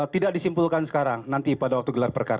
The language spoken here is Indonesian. tidak disimpulkan sekarang nanti pada waktu gelar perkara